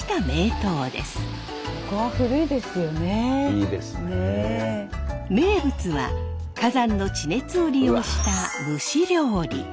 名物は火山の地熱を利用した蒸し料理。